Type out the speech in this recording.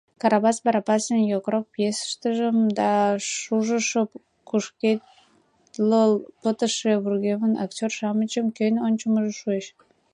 Карабас Барабасын йокрок пьесыштым да шужышо, кушкедлыл пытыше вургеман актёр-шамычым кӧн ончымыжо шуэш!